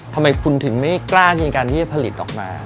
ทำไมคุณถึงไม่กล้าในการที่จะผลิตออกมา